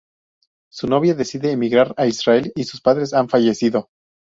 Su novia decide emigrar a Israel y sus padres han fallecido.